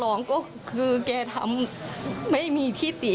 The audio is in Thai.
และก็มีการกินยาละลายริ่มเลือดแล้วก็ยาละลายขายมันมาเลยตลอดครับ